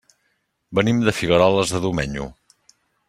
Venim de Figueroles de Domenyo.